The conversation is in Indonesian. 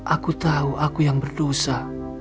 aku tahu aku yang berdosa